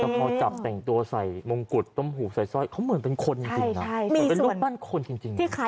แต่พอจับแต่งตัวใส่มงกุฎต้มหูใส่สร้อยเขาเหมือนเป็นคนจริงนะ